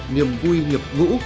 niềm vui nhập vũ